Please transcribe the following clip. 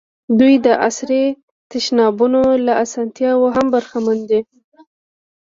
دوی د عصري تشنابونو له اسانتیاوو هم برخمن دي.